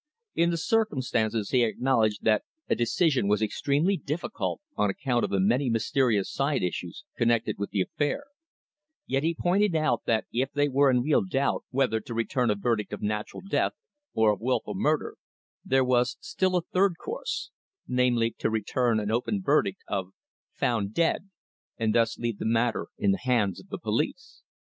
In the circumstances he acknowledged that a decision was extremely difficult on account of the many mysterious side issues connected with the affair, yet he pointed out that if they were in real doubt whether to return a verdict of natural death or of wilful murder, there was still a third course, namely, to return an open verdict of "Found dead," and thus leave the matter in the hands of the police.